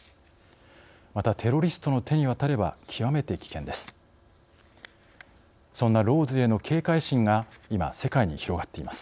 またテロリストの手に渡れば極めて危険です。